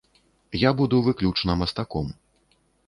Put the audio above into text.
Я буду выключна мастаком.